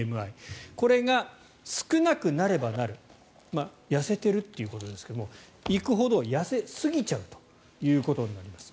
これが少なくなればなる痩せているということですがいくほど痩せすぎちゃうということになります。